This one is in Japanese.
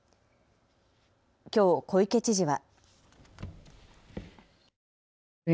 きょう、小池知事は。